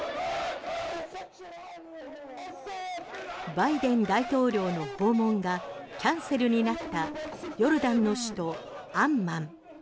バイデン大統領の訪問がキャンセルになったヨルダンの首都アンマン。